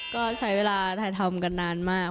ก็ใช้เวลาถ่ายทำกันนานมาก